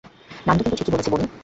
নান্দু কিন্তু ঠিকই বলেছে, বনি।